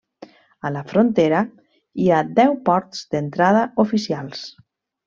A la frontera hi ha deu ports d'entrada oficials.